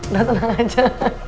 udah tenang aja